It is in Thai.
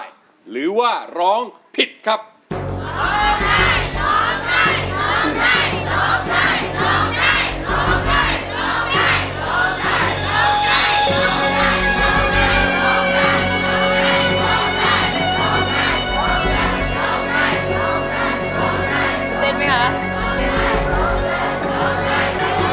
จับมือประคองขอร้องอย่าได้เปลี่ยนไป